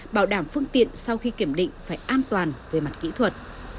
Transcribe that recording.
bảo đảm phương tiện sau khi kiểm định phải an toàn về mặt kỹ thuật